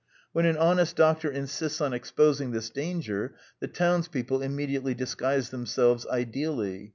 When an honest doctor insists on exposing this danger, the townspeople immediately disguise themselves ideally.